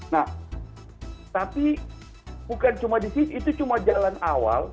nah tapi bukan cuma di sini itu cuma jalan awal